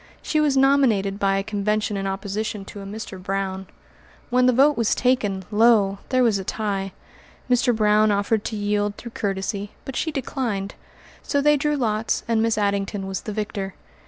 She was nominated by a convention in opposition to a Mr. Brown. When the vote was taken, lo! there was a tie. Mr. Brown offered to yield through courtesy, but she declined; so they drew lots and Miss Addington was the victor.